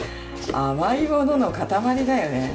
甘いものの塊だよね。